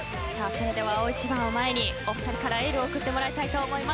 大一番を前にお二人からエールを送ってもらいたいと思います。